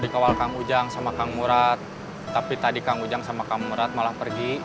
kamu merat tapi tadi kang ujang sama kamu merat malah pergi